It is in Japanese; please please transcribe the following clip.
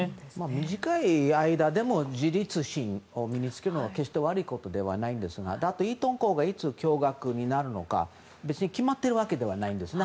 短い間でも自立心を身に付けるのは決して悪いことではないんですがあとイートン校がいつ共学になるのか別に決まっているわけじゃないんですね。